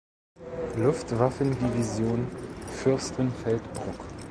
Luftwaffendivision (Fürstenfeldbruck).